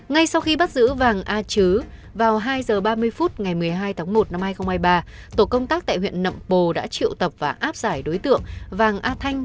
ngay sau khi bắt giữ vàng a chứ vào hai h ba mươi phút ngày một mươi hai tháng một năm hai nghìn hai mươi ba tổ công tác tại huyện nậm bồ đã triệu tập và áp giải đối tượng vàng a thanh